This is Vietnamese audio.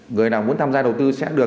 người nào muốn tham gia đầu tư sẽ được